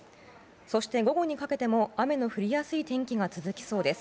そして、午後にかけても雨の降りやすい天気が続きそうです。